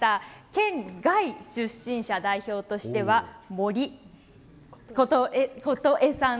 県外出身者代表としては森琴絵さん。